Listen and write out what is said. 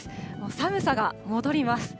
寒さが戻ります。